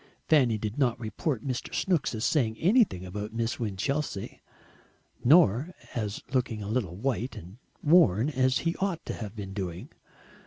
Fanny did not report Mr. Snooks as saying anything about Miss Winchelsea, nor as looking a little white and worn, as he ought to have been doing.